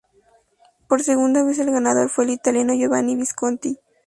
Por segunda vez el ganador fue el italiano Giovanni Visconti.